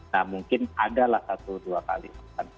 nah mungkin adalah satu dua kali